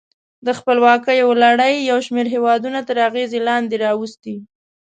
د خپلواکیو لړۍ یو شمیر هېودونه تر اغېز لاندې راوستي.